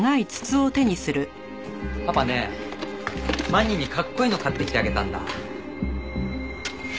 パパねまににかっこいいの買ってきてあげたんだ。